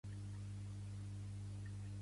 Qui és realment el Francesc?